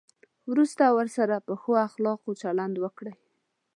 وروسته ورسره په ښو اخلاقو چلند وکړئ.